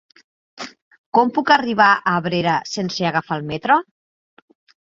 Com puc arribar a Abrera sense agafar el metro?